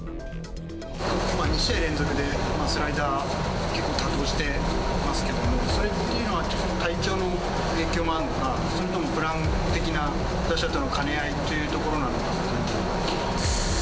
２試合連続でスライダー、結構多投してますけども、それっていうのは体調の影響もあるのか、それともプラン的な打者との兼ね合いというところなのか？